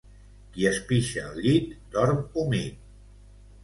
Qui es pixa al llit dorm humit